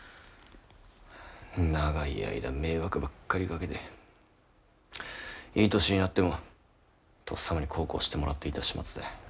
長い間、迷惑ばっかりかけていい年になってもとっさまに孝行してもらっていた始末だ。